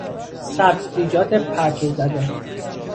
سبزیجات پرتوزده